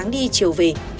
đi chiều về